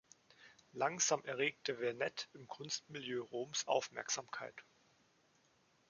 Langsam erregte Vernet im Kunstmilieu Roms Aufmerksamkeit.